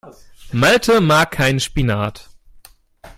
Malte mag keinen Spinat.